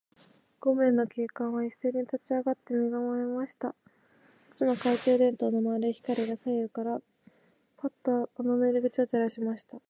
五名の警官はいっせいに立ちあがって、身がまえました。二つの懐中電燈の丸い光が、左右からパッと穴の入り口を照らしました。